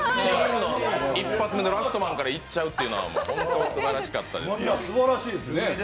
一発目の「ラストマン」からいっちゃうのは、すばらしかった。